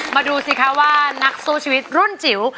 ดูสิคะว่านักสู้ชีวิตรุ่นจิ๋ว